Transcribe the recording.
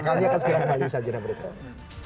kami akan ke sekian kali di saat yang berikutnya